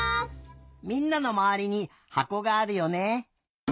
みんなのまわりにはこがあるよね？